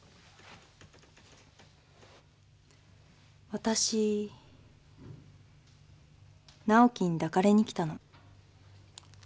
わたし直季に抱かれに来たの。